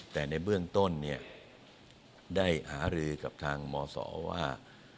แต่ในเบื้องต้นเนี่ยได้หารือกับทางมศว่า